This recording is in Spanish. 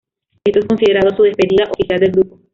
Esto es considerado su despedida oficial del grupo.